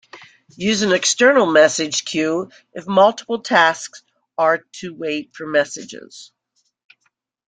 Use an external message queue if multiple tasks are to wait for messages.